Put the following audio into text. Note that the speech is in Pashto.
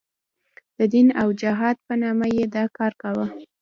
د دین او جهاد په نامه یې دا کار کاوه.